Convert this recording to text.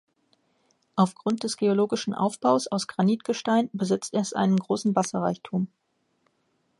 Aufgrund des geologischen Aufbaus aus Granitgestein besitzt es einen großen Wasserreichtum.